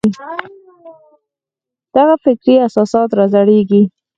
دغه فکري اساسات رازېږي.